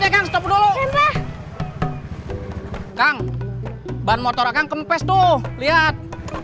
kan ban motor akan kempes tuh lihat